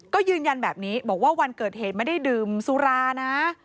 ก็ยืนยันแบบนี้บอกว่าวันเกิดเหตุไม่ได้ดื่มสุรานะ